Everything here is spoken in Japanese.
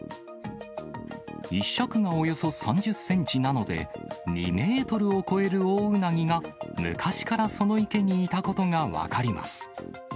１尺がおよそ３０センチなので、２メートルを超えるオオウナギが昔からその池にいたことが分かります。